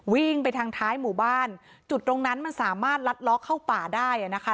วิ่งไปทางท้ายหมู่บ้านจุดตรงนั้นมันสามารถลัดล้อเข้าป่าได้อ่ะนะคะ